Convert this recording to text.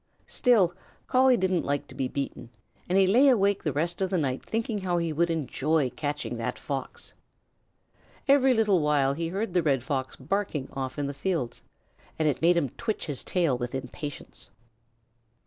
Still, Collie didn't like to be beaten and he lay awake the rest of the night thinking how he would enjoy catching that Fox. Every little while he heard the Red Fox barking off in the fields, and it made him twitch his tail with impatience.